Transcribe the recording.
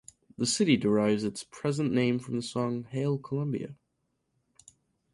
The city derives its present name from the song "Hail, Columbia".